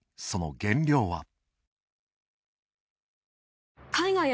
その原料は。